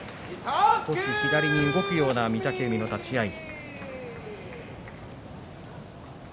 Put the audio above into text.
少し左に動くような御嶽海の立ち合い。